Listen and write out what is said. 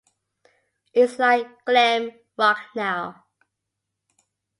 It's like glam rock now.